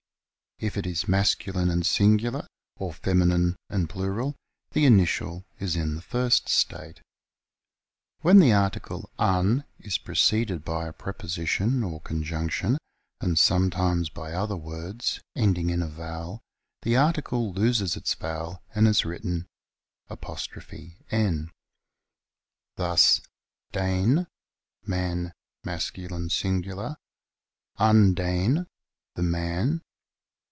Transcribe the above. If it is masculine and singular, or feminine and plural, the initial is in the first state. 1 When the article an is preceded by a preposition or conjunction, and sometimes by other words, ending in a vowel, the article loses its vowel and is written 'n. Thus : Den, man, masc. sing. ; an den, the man.